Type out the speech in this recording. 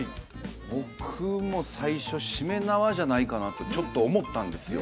僕も最初しめ縄じゃないかなとちょっと思ったんですよ